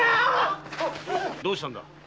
どうしたんだ？